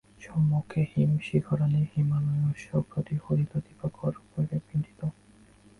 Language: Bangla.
সম্মুখে হিমশিখরাণি হিমালয়স্য প্রতিফলিতদিবাকরকরৈ পিণ্ডীকৃতরজতানীব ভান্তি প্রীণয়ন্তি চ।